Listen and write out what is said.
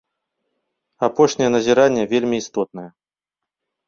Апошняе назіранне вельмі істотнае.